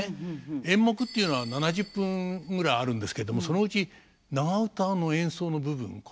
演目っていうのは７０分ぐらいあるんですけれどもそのうち長唄の演奏の部分これが半分近くあるんです。